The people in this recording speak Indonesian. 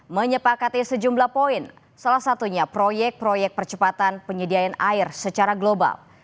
menyepakati sejumlah poin salah satunya proyek proyek percepatan penyediaan air secara global